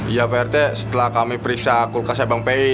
iya pak rt setelah kami periksa kulkasnya bang pi